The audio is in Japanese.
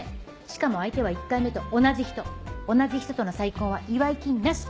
しかも相手は１回目と同じ人同じ人との再婚は祝い金なし！